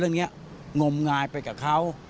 เรื่องนี้งมงายไปกับเขา